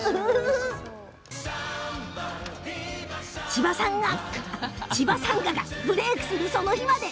千葉さんががブレークするその日まで。